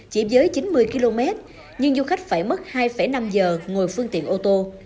chỉ dưới chín mươi km nhưng du khách phải mất hai năm giờ ngồi phương tiện ô tô